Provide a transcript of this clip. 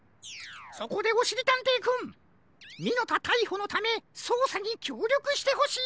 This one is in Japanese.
そこでおしりたんていくんミノタたいほのためそうさにきょうりょくしてほしいのじゃ。